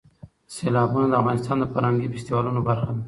سیلابونه د افغانستان د فرهنګي فستیوالونو برخه ده.